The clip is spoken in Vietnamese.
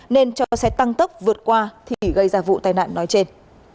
nên cho xe tăng tốc vượt qua thì gây ra vụ tai nạn nói trên